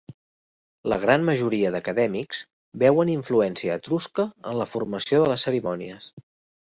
La gran majoria d'acadèmics veuen influència etrusca en la formació de les cerimònies.